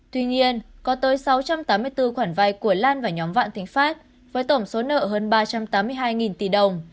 tuy nhiên có tới sáu trăm tám mươi bốn khoản vay của lan và nhóm vạn thịnh pháp với tổng số nợ hơn ba trăm tám mươi hai tỷ đồng